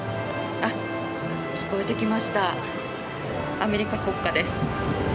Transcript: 聴こえてきましたアメリカ国歌です。